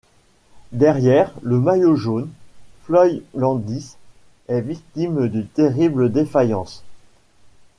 Derrière, le maillot jaune, Floyd Landis, est victime d'une terrible défaillance.